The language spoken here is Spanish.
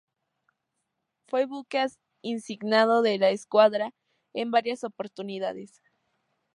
Fue buque insignia de la Escuadra en varias oportunidades.